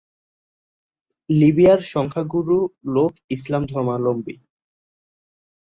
লিবিয়ার সংখ্যাগুরু লোক ইসলাম ধর্মাবলম্বী।